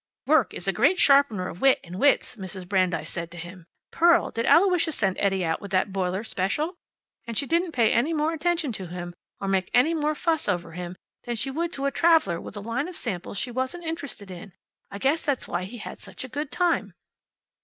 `Work is a great sharpener of wit and wits,' Mrs. Brandeis said to him. `Pearl, did Aloysius send Eddie out with that boiler, special?' And she didn't pay any more attention to him, or make any more fuss over him, than she would to a traveler with a line of samples she wasn't interested in. I guess that's why he had such a good time."